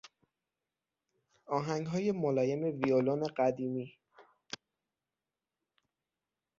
آهنگهای ملایم ویولن قدیمی